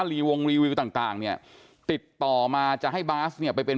รีวงรีวิวต่างต่างเนี่ยติดต่อมาจะให้บาสเนี่ยไปเป็น